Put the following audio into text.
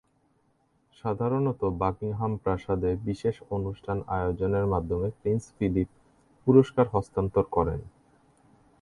সাধারণত বাকিংহাম প্রাসাদে বিশেষ অনুষ্ঠান আয়োজনের মাধ্যমে প্রিন্স ফিলিপ পুরস্কার হস্তান্তর করেন।